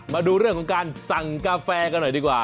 มาดูเรื่องของการสั่งกาแฟกันหน่อยดีกว่า